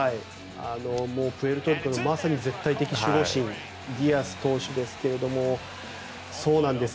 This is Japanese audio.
プエルトリコのまさに絶対的守護神ディアス投手ですがそうなんです。